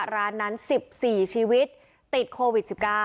ร้านนั้น๑๔ชีวิตติดโควิด๑๙